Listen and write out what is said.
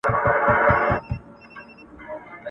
وچکالي سوه او په بيا موندنه سره به